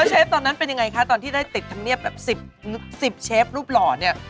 เชฟตอนนั้นเป็นยังไงคะตอนที่ได้ติดธรรมเนียบแบบ๑๐เชฟรูปหล่อเนี่ย